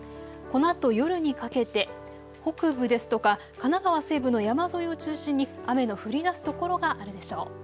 このあと夜にかけて北部ですとか神奈川西部の山沿いを中心に雨の降りだす所があるでしょう。